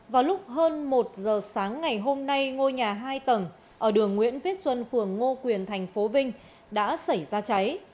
vào lúc hơn một giờ sáng ngày hôm nay ngôi nhà hai tầng ở đường nguyễn viết xuân phường ngô quyền thành phố vinh đã xảy ra cháy